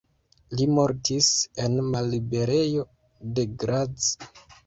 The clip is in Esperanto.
Li mortis en malliberejo de Graz.